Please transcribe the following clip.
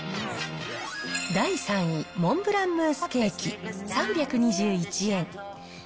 第３位、モンブランムースケーキ３２１円。